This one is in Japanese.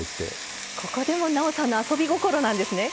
ここでもなおさんの遊び心なんですね。